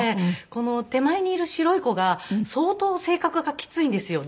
この手前にいる白い子が相当性格がきついんですよ。